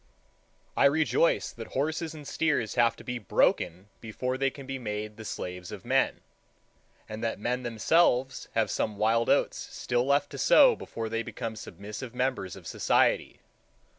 I rejoice that horses and steers have to be broken before they can be made the slaves of men, and that men themselves have some wild oats still left to sow before they become submissive members of society.